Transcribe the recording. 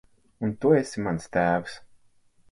Un tu esi mans tēvs.